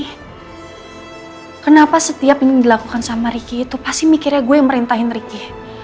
hai kenapa setiap ingin dilakukan sama riki itu pasti mikirnya gue merintahin riki